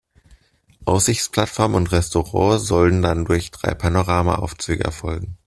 Aussichtsplattform und -restaurant sollen dann durch drei Panorama-Aufzüge erfolgen.